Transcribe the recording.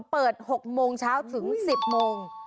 เปิด๖โมงเช้าถึง๑๐โมง